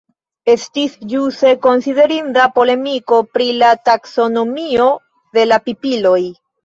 Estis ĵuse konsiderinda polemiko pri la taksonomio de la pipiloj.